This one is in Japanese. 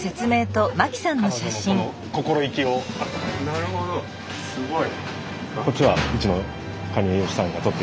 なるほどすごい。